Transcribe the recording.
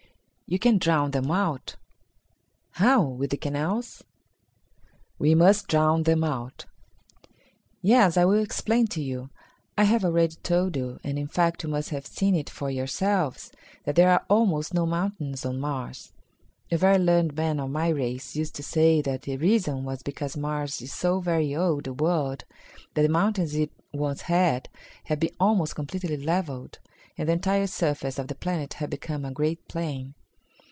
"You can drown them out." "How? With the canals?" We Must Drown Them Out. "Yes, I will explain to you. I have already told you, and, in fact, you must have seen it for yourselves, that there are almost no mountains on Mars. A very learned man of my race used to say that the reason was because Mars is so very old a world that the mountains it once had have been almost completely levelled, and the entire surface of the planet had become a great plain.